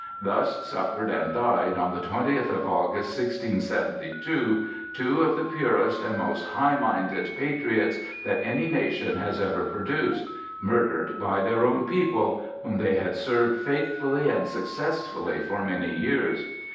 Thus suffered and died, on the twentieth of August, 1672, two of the purest and most high minded patriots that any nation has produced,—murdered by their own people, whom they had served faithfully and successfully for many years.